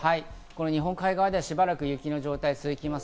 日本海側ではしばらく雪の状態が続きます。